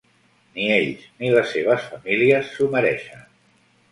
Ni ells, ni les seves famílies s'ho mereixen.